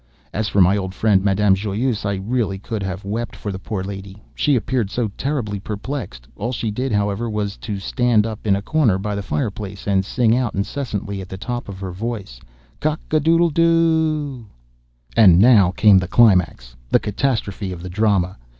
As for my old friend, Madame Joyeuse, I really could have wept for the poor lady, she appeared so terribly perplexed. All she did, however, was to stand up in a corner, by the fireplace, and sing out incessantly at the top of her voice, "Cock a doodle de dooooooh!" And now came the climax—the catastrophe of the drama.